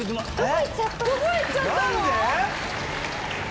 どこ行っちゃったの？